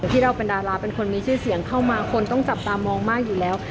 ที่เราเป็นดาราเป็นคนมีชื่อเสียงเข้ามาคนต้องจับตามองมากอยู่แล้ว